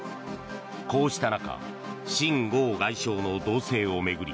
こうした中シン・ゴウ外相の動静を巡り